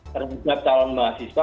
terhadap calon mahasiswa